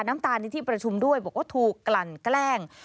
น้ำตาลในที่ประชุมด้วยบอกว่าถูกกลั่นแกล้ง